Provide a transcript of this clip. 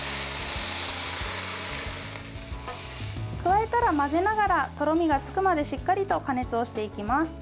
加えたら混ぜながらとろみがつくまでしっかりと加熱をしていきます。